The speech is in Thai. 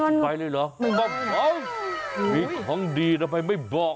ต้องบอกว่ามีของดีทำไมไม่บอก